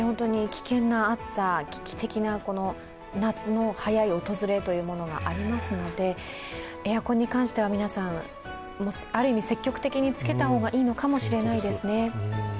危険な暑さ、危機的な夏の早い訪れがありますのでエアコンに関しては皆さんある意味積極的につけた方がいいのかもしれないですね。